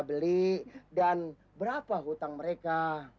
beli dan berapa hutang mereka